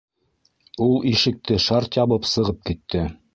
— Ул ишекте шарт ябып сығып китте.